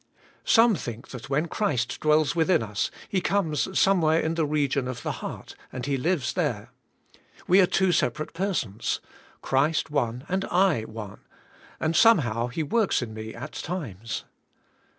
Some think that when Christ dwells within us He comes somewhere in the region of the heart, and He lives there. We are two separate persons, Christ one and I one, and somehow He works in me at times.